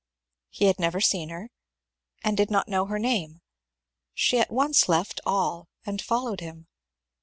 He had never seen her, and did not know her name She at once left all and followed him.